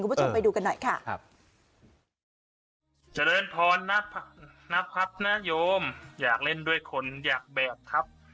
คุณผู้ชมไปดูกันหน่อยค่ะครับเจริญพรนะครับนโยมอยากเล่นด้วยคนอยากแบกครับ